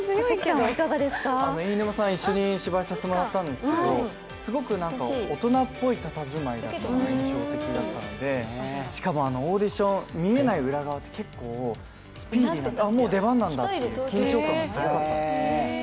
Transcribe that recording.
飯沼さん一緒に芝居させてもらったんですけど、すごく大人っぽいたたずまいだったのが印象的だったんですがしかもオーディション、見えない裏側は結構スピーディーで、もう出番なんだって、緊張感もすごくありました、